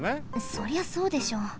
そりゃそうでしょ。